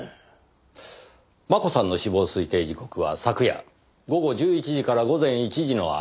真子さんの死亡推定時刻は昨夜午後１１時から午前１時の間。